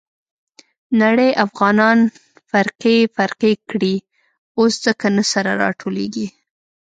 نړۍ افغانان فرقې فرقې کړي. اوس ځکه نه سره راټولېږي.